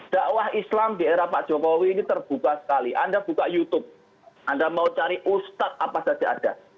dakwah islam di era pak jokowi ini terbuka sekali anda buka youtube anda mau cari ustadz apa saja ada